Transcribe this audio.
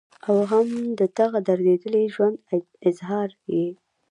او هم د دغه درديدلي ژوند اظهار ئې